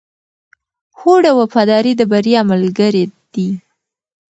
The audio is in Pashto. هوډ او وفاداري د بریا ملګري دي.